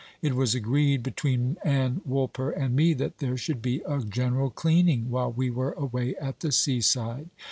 It was agreed between Ann Woolper and me that there should be a general cleaning while we were away at the seaside.